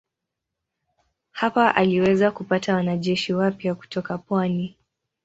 Hapa aliweza kupata wanajeshi wapya kutoka pwani.